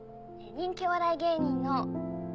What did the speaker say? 人気お笑い芸人の。